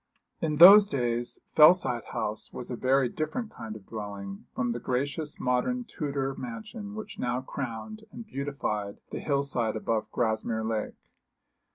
In those days Fellside House was a very different kind of dwelling from the gracious modern Tudor mansion which now crowned and beautified the hill side above Grasmere Lake.